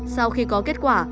sau khi có kết quả